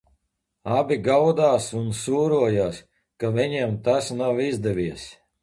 Abi gaudās un sūrojās, ka viņiem tas nav izdevies.